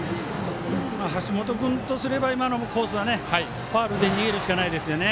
橋本君とすれば今のコースはファウルで逃げるしかないですね。